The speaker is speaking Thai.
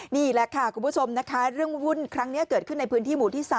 นี่แหละค่ะคุณผู้ชมนะคะเรื่องวุ่นครั้งนี้เกิดขึ้นในพื้นที่หมู่ที่๓